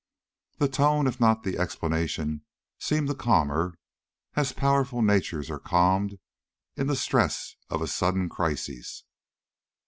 The tone, if not the explanation, seemed to calm her, as powerful natures are calmed in the stress of a sudden crisis.